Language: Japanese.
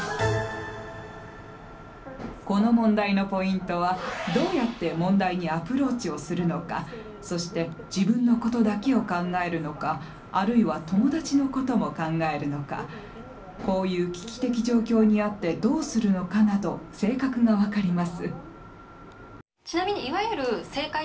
この問題のポイントはどうやって問題にアプローチをするのかそして自分のことだけを考えるのかあるいは友達のことも考えるのかこういう危機的状況にあってどうするのかなど性格が分かります。